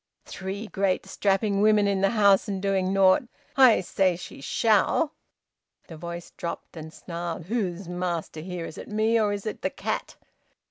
Three great strapping women in the house and doing nought! I say she shall!" The voice dropped and snarled. "Who's master here? Is it me, or is it the cat?